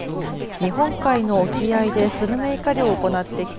日本海の沖合でスルメイカ漁を行ってきた